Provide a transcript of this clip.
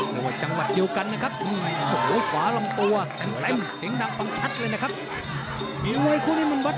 แต่ว่าจังหวัดเดียวกันนะครับโอ้โหขวาลำตัวเต็มเสียงดังฟังชัดเลยนะครับ